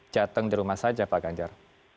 jateng di rumah saja pak ganjar